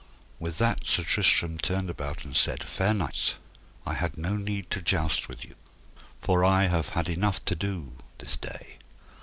With that Sir Tristram turned about and said: Fair knights, I had no need to joust with you, for I have had enough to do this day.